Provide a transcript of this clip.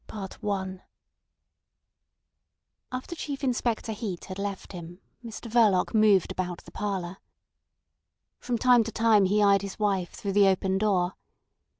CHAPTER XI After Chief Inspector Heat had left him Mr Verloc moved about the parlour. From time to time he eyed his wife through the open door.